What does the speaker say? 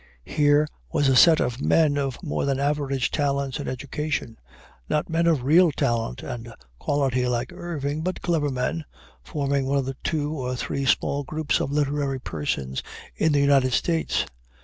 Here was a set of men of more than average talents and education; not men of real talent and quality, like Irving, but clever men, forming one of the two or three small groups of literary persons in the United States.